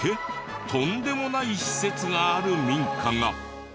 とんでもない施設がある民家が。